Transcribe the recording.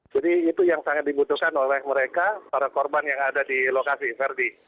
jadi itu yang sangat dibutuhkan oleh mereka para korban yang ada di lokasi verdi